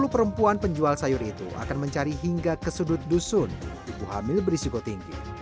sepuluh perempuan penjual sayur itu akan mencari hingga ke sudut dusun ibu hamil berisiko tinggi